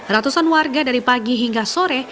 ratusan warga dari pagi hingga sore